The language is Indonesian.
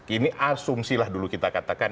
ini asumsilah dulu kita katakan